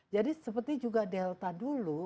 jadi seperti juga delta dulu